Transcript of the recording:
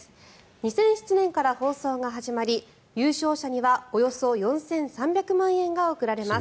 ２００７年から放送が始まり優勝者にはおよそ４３００万円が贈られます。